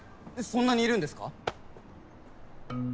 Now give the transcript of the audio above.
そんなにいるんですか？